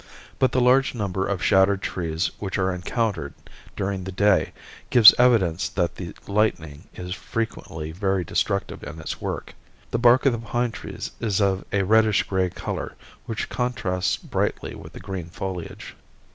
But the large number of shattered trees which are encountered during the day give evidence that the lightning is frequently very destructive in its work. The bark of the pine trees is of a reddish gray color, which contrasts brightly with the green foliage.